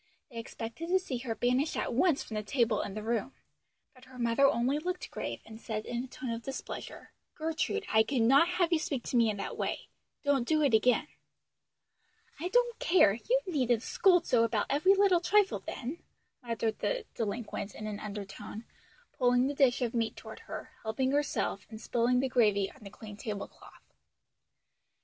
They expected to see her banished at once from the table and the room; but her mother only looked grave and said in a tone of displeasure, "Gertrude, I cannot have you speak to me in that way Don't do it again." "I don't care; you needn't scold so about every little trifle then," muttered the delinquent in an undertone, pulling the dish of meat toward her, helping herself and spilling the gravy on the clean tablecloth.